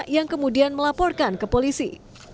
yang kemudian melaporkan ke polisi